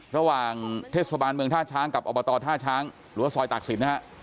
ระหว่างเทศบาลเมืองท่าช้างกับอบตท่าช้างหรือว่าซอยตากศิลปนะฮะ